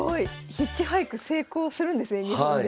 ヒッチハイク成功するんですね日本で。